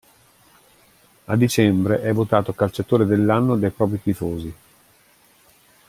A dicembre è votato "calciatore dell'anno" dai propri tifosi.